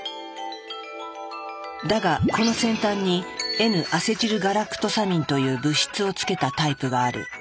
だがこの先端にＮアセチルガラクトサミンという物質をつけたタイプがある。